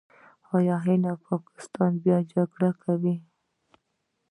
هند او پاکستان بیا جنګ وکړ.